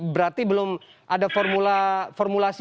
berarti belum ada formulasi